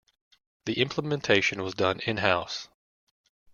The implementation was done in-house.